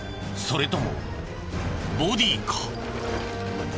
それともボディーか？